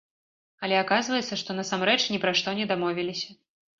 Але аказваецца, што насамрэч ні пра што не дамовіліся.